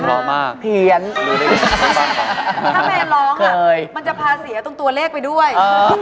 ถ้าแมนร้องมันจะพาเสียว์ตรงตัวเลขไปด้วย